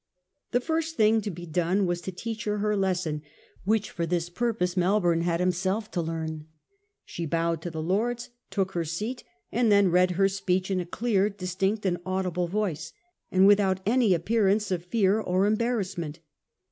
The first thing to be done was to teach her her lesson, which, for this purpose, Melbourne had himself to learn. ... She bowed to the lords, took her seat, and then read her speech in a clear, distinct, and audible voice, and without any appearance of fear or embarrassment.